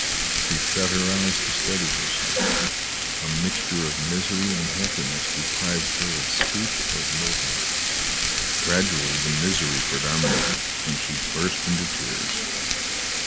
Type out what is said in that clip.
She shut her eyes to steady herself; a mixture of misery and happiness deprived her of speech or movement. Gradually the misery predominated and she burst into tears.